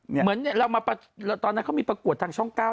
เหมือนเรามาประกวดตอนนั้นมีแบบทำช่องเก้า